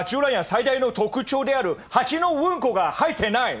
最大の特徴である蜂のうんこが入ってない！